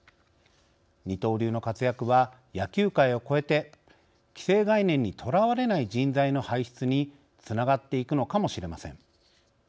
二刀流の活躍は、野球界を越えて既成概念に捉われない人材の輩出につながっていくのかもしれません。